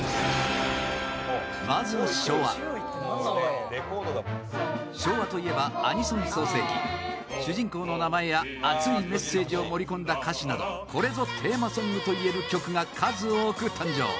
まずは昭和昭和といえばアニソン創成期主人公の名前や熱いメッセージを盛り込んだ歌詞などこれぞテーマソングといえる曲が数多く誕生